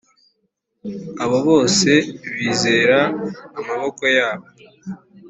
Abo bose bizera amaboko yabo,